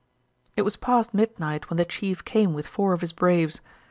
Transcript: "It was past midnight when the chief came with four of his braves.